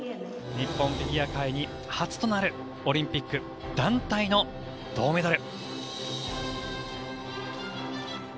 日本フィギュア界に初となるオリンピック団体の銅メダル。